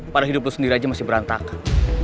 pada hidup lu sendiri aja masih berantakan